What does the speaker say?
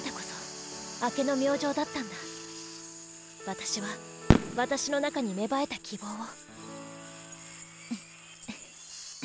私は私の中に芽生えた希望を。